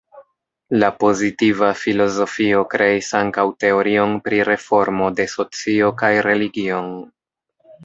La pozitiva filozofio kreis ankaŭ teorion pri reformo de socio kaj religion.